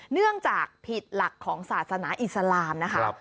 เนื่องจากผิดหลักของศาสนาอิสลามนะคะ